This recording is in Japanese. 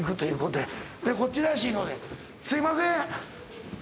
でこっちらしいのですいません！